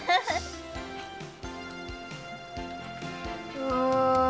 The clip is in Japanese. うわ。